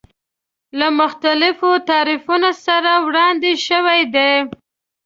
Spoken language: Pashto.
له مختلفو تعریفونو سره وړاندې شوی دی.